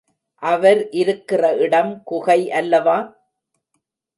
அவர் இருக்கிற இடம் குகை அல்லவா?